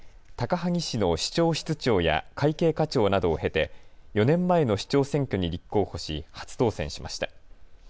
高萩市の市長室長や会計課長などを経て４年前の市長選挙に立候補し初当選しました。